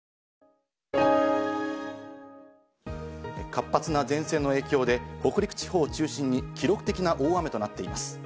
活発な前線の影響で北陸地方を中心に記録的な大雨となっています。